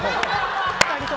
２人とも。